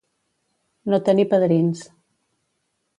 No tenir padrins.